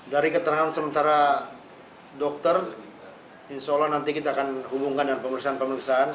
dari keterangan sementara dokter insya allah nanti kita akan hubungkan dengan pemeriksaan pemeriksaan